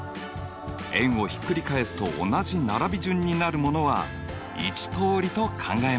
円をひっくり返すと同じ並び順になるものは１通りと考えます。